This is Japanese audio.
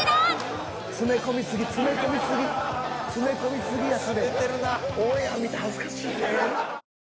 詰め込みすぎやって。